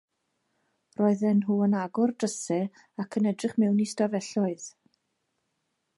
Roedden nhw yn agor drysau ac yn edrych mewn i stafelloedd.